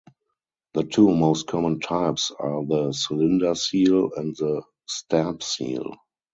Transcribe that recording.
The two most common types are the "cylinder seal" and the "stamp seal".